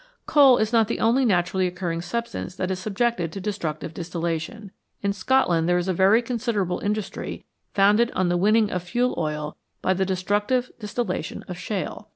Coal is not the only naturally occurring substance that is subjected to destructive distillation. In Scotland there is a very considerable industry founded on the winning of fuel oil by the destructive distillation of shale.